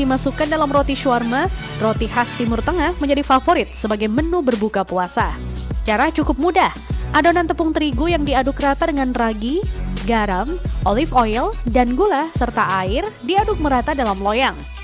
air diaduk merata dalam loyang